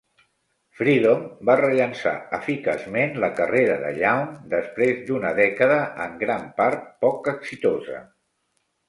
"Freedom" va rellançar eficaçment la carrera de Young després d'una dècada en gran part poc exitosa.